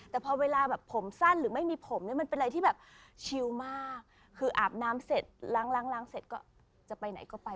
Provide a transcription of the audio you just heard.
แต่พอเวลาแบบผมสั้นหรือไม่มีผมเนี่ยมันเป็นอะไรที่แบบชิลมากคืออาบน้ำเสร็จล้างล้างเสร็จก็จะไปไหนก็ไป